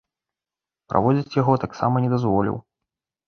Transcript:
Праводзіць яго таксама не дазволіў.